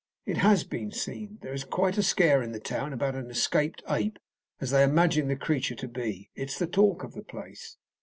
"It has been seen. There is quite a scare in the town about an escaped ape, as they imagine the creature to be. It is the talk of the place."